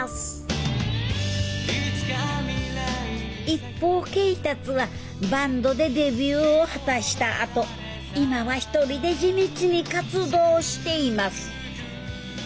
一方恵達はバンドでデビューを果たしたあと今は１人で地道に活動しています。